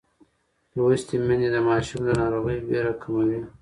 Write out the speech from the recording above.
لوستې میندې د ماشوم د ناروغۍ وېره کموي.